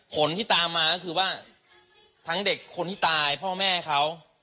ผลที่ตามมาก็คือว่าทั้งเด็กคนที่ตายพ่อแม่เขา